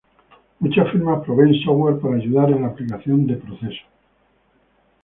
Muchas firmas proveen software para ayudar en la aplicación de proceso.